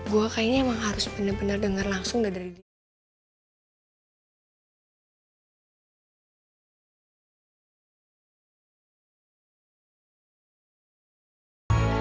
gue kayaknya emang harus bener bener denger langsung dari dia